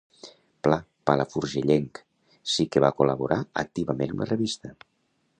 Pla, palafrugellenc, sí que va col·laborar activament amb la revista.